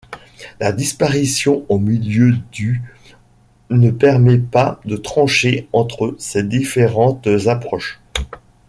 Sa disparition au milieu du ne permet pas de trancher entre ces différentes approches.